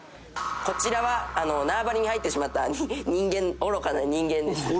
「こちらは縄張りに入ってしまった人間愚かな人間ですね」